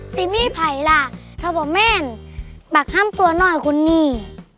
ซิมี่ไผล่ะทะบะเม่นปากห้ามตัวหน่อยคุณนี่